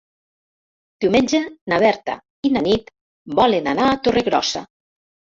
Diumenge na Berta i na Nit volen anar a Torregrossa.